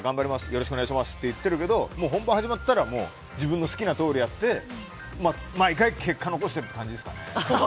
よろしくお願いしますって言ってるけど本番が始まったら自分の好きなとおりやって毎回、結果残してるという感じですかね。